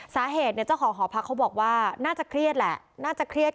สาเหตุเนี่ยเจ้าของหอพักเขาบอกว่าน่าจะเครียดแหละน่าจะเครียด